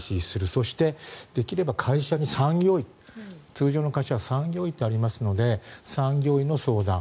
そして、できれば会社に産業医通常の会社には産業医がありますので産業医の相談。